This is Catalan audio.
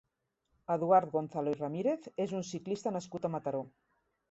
Eduard Gonzalo i Ramírez és un ciclista nascut a Mataró.